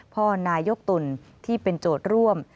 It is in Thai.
พ่อนายกตุ่นที่เป็นโจทย์ร่วม